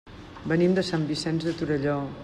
Venim de Sant Vicenç de Torelló.